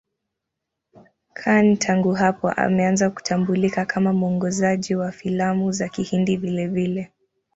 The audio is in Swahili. Khan tangu hapo ameanza kutambulika kama mwongozaji wa filamu za Kihindi vilevile.